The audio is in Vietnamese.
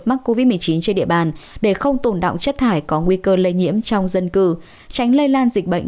mắc covid một mươi chín trên địa bàn để không tồn động chất thải có nguy cơ lây nhiễm trong dân cư tránh lây lan dịch bệnh